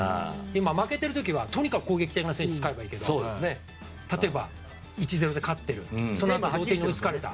負けてる時は、とにかく攻撃的な選手使えばいいけど例えば１−０で勝ってる後半で追いつかれた。